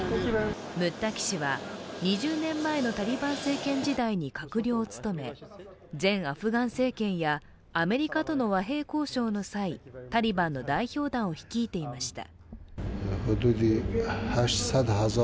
ムッタキ氏は２０年前のタリバン政権時代に閣僚を務め前アフガン政権やアメリカとの和平交渉の際、タリバンの代表団を率いていました。